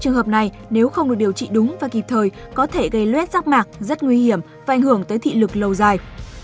trường hợp này nếu không được điều trị đúng và kịp thời có thể gây luyết rác mạc rất nguy hiểm và ảnh hưởng tới thị lực lâu dài